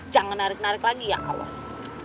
jangan narik narik lagi ya kaos